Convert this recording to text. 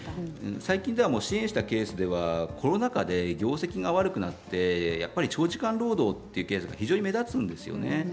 最近では、支援したケースではコロナ禍で業績が悪くなって長時間労働というケースが非常に目立つんですよね。